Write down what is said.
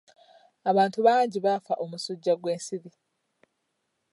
Abantu bangi baafa omusujja gw'ensiri.